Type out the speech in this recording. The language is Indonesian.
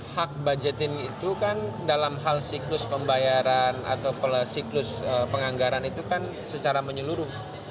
hak budgetin itu kan dalam hal siklus pembayaran atau siklus penganggaran itu kan secara menyeluruh